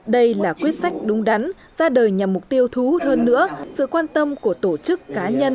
đây là quyết sách đúng đắn ra đời nhằm mục tiêu thu hút hơn nữa sự quan tâm của tổ chức cá nhân